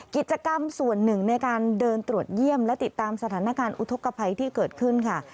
กิจกรรมส่วนหนึ่งในการเดินตรวจเยี่ยมและติดตามสถานการณ์อุทธกภัยที่เกิดขึ้นค่ะ